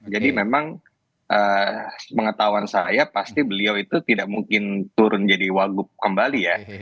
jadi memang pengetahuan saya pasti beliau itu tidak mungkin turun jadi wagub kembali ya